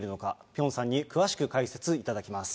ピョンさんに詳しく解説いただきます。